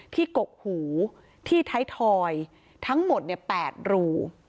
ที่กกหูที่ไททอยทั้งหมดเนี่ย๘รู